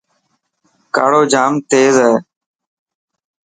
ڪاڙو جام تيز هي.